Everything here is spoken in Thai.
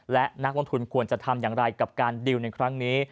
และนักลงทุนควรจะทำอย่างไรกับการดิวในครั้งนี้